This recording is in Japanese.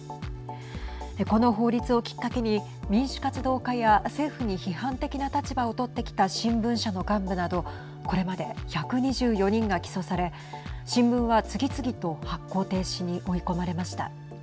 この法律をきっかけに民主活動家や政府に批判的な立場を取ってきた新聞社の幹部などこれまで１２４人が起訴され新聞は次々と発行停止に追い込まれました。